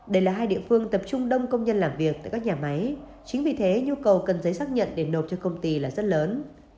đây là hai địa phương tập trung đông công nhân làm việc tại các nhà máy chính vì thế nhu cầu cần giấy xác nhận để nộp cho công ty là rất lớn